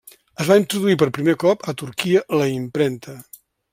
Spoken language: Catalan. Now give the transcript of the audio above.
Es va introduir per primer cop a Turquia la impremta.